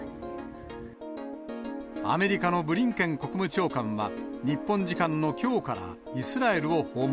アメリカのブリンケン国務長官は、日本時間のきょうからイスラエルを訪問。